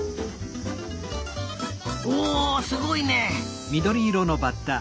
おおすごいね！